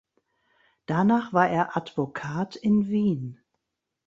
Danach war er Advokat in Wien.